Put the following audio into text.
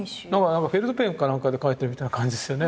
なんかフェルトペンか何かで描いてるみたいな感じですよね